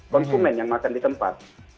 konsumen yang makan di tempat